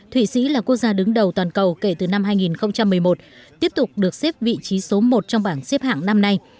thụy sĩ là quốc gia đứng đầu toàn cầu kể từ năm hai nghìn một mươi một tiếp tục được xếp vị trí số một trong bảng xếp hạng năm nay